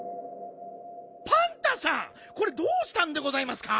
パンタさんこれどうしたんでございますか？